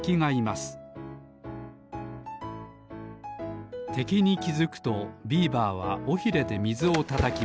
すてきにきづくとビーバーはおひれでみずをたたきます。